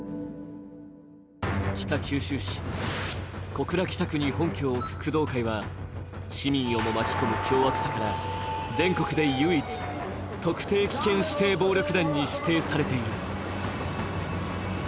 北九州市小倉北区に本拠を置く工藤会は市民をも巻き込む凶悪さから全国で唯一特定危険指定暴力団に指定されている。